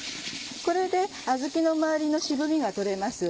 これであずきの周りの渋味が取れます。